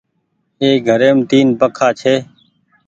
اي گهريم تين پنکآ ڇي۔